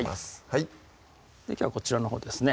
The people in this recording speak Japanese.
はいきょうはこちらのほうですね